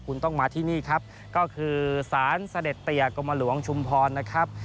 คุณต้องมาที่นี่ครับก็คือสารเสด็จเตียกรมหลวงชุมพรนะครับ